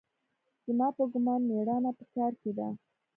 زما په ګومان مېړانه په کار کښې ده.